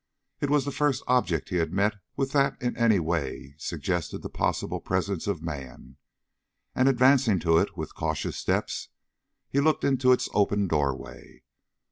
It was the first object he had met with that in any way suggested the possible presence of man, and advancing to it with cautious steps, he looked into its open door way.